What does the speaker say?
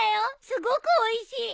すごくおいしい！